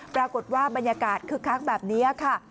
ปรากฏว่าบรรยากาศคึกคักแบบนี้ค่ะ